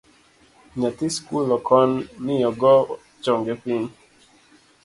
Nyathi skul okon ni ogoo chonge piny